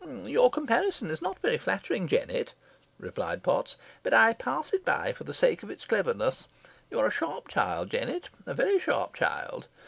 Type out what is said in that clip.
"Your comparison is not very flattering, Jennet," replied Potts; "but I pass it by for the sake of its cleverness. You are a sharp child, Jennet a very sharp child.